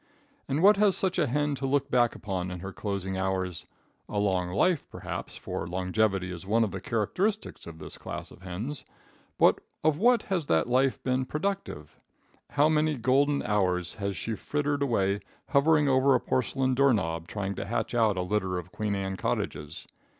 And what has such a hen to look back upon in her closing hours? A long life, perhaps, for longevity is one of the characteristics of this class of hens; but of what has that life been productive? How many golden hours has she frittered away hovering over a porcelain door knob trying to hatch out a litter of Queen Anne cottages.